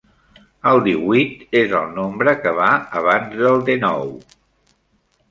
El díhuit és el nombre que va abans del dènou.